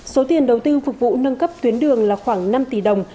số tiền đầu tư phục vụ nâng cấp tuyến đường là khoảng năm tỷ đồng